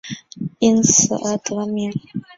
因此而得名。